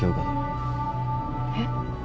えっ？